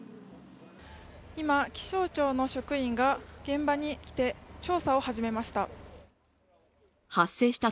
今、気象庁の職員が現場に来て調査を始めました。